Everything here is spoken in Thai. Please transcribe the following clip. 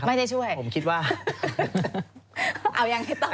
ไม่ได้ช่วยครับผมคิดว่าเอาอย่างนี้ต่อ